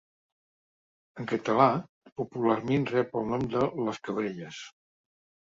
En català, popularment rep el nom de les Cabrelles.